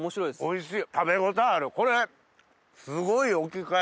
おいしい！